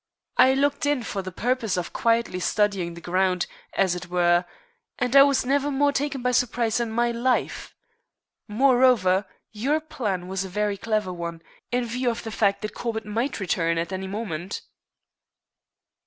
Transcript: I looked in for the purpose of quietly studying the ground, as it were, and I was never more taken by surprise in my life. Moreover, your plan was a very clever one, in view of the fact that Corbett might return at any moment."